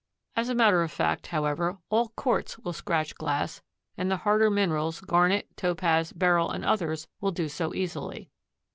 As a matter of fact, however, all quartz will scratch glass and the harder minerals, garnet, topaz, beryl and others will do so easily.